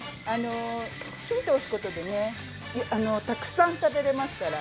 火通すことでたくさん食べれますから。